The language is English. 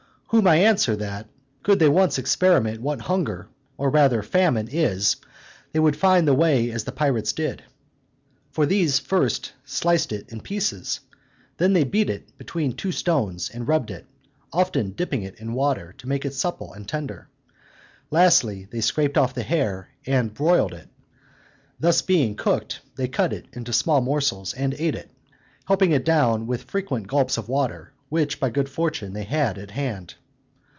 Whom I answer, that, could they once experiment what hunger, or rather famine, is, they would find the way as the pirates did. For these first sliced it in pieces, then they beat it between two stones, and rubbed it, often dipping it in water, to make it supple and tender. Lastly, they scraped off the hair, and broiled it. Being thus cooked, they cut it into small morsels, and ate it, helping it down with frequent gulps of water, which, by good fortune, they had at hand.